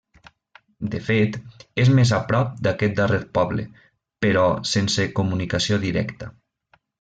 De fet, és més a prop d'aquest darrer poble, però sense comunicació directa.